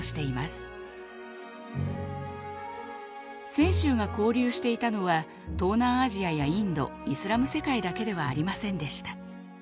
泉州が交流していたのは東南アジアやインド・イスラム世界だけではありませんでした。